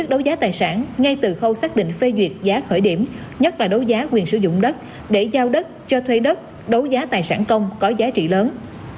đấu giá tài sản ngay từ khâu xác định phê duyệt giá khởi điểm nhất là đấu giá quyền sử dụng đất để giao đất cho thuê đất đấu giá tài sản công có giá trị lớn